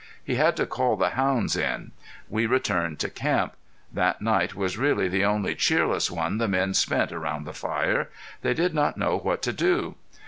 He had to call the hounds in. We returned to camp. That night was really the only cheerless one the men spent around the fire. They did not know what to do.